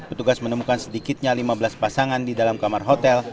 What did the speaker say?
petugas menemukan sedikitnya lima belas pasangan di dalam kamar hotel